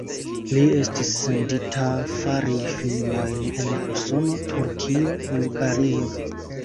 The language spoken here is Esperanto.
Li estis sendita fari filmojn en Usono, Turkio, Bulgario.